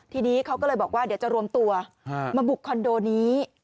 ทีนี้เขาก็เลยบอกว่าเดี๋ยวจะรวมตัวมาบุกคอนโดนี้